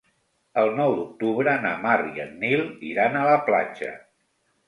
El nou d'octubre na Mar i en Nil iran a la platja.